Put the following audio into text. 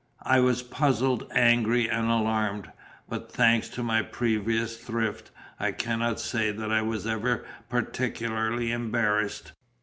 I was puzzled, angry, and alarmed; but thanks to my previous thrift, I cannot say that I was ever practically embarrassed.